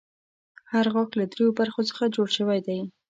هر غاښ له دریو برخو څخه جوړ شوی دی.